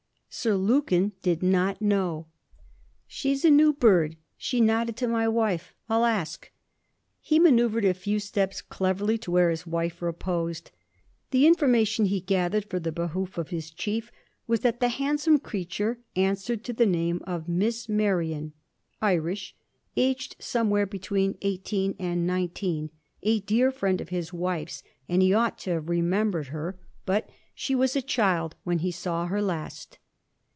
Sir Lukin did not know. 'She 's a new bird; she nodded to my wife; I'll ask.' He manoeuvred a few steps cleverly to where his wife reposed. The information he gathered for the behoof of his chief was, that the handsome creature answered to the name of Miss Merion; Irish; aged somewhere between eighteen and nineteen; a dear friend of his wife's, and he ought to have remembered her; but she was a child when he saw her last.